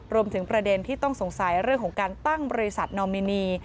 ประเด็นที่ต้องสงสัยเรื่องของการตั้งบริษัทนอมินี